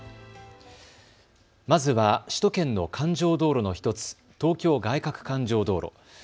まずは首都圏の環状道路の１つ、東京外かく環状道路。